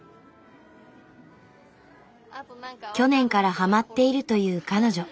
去年からハマっているという彼女。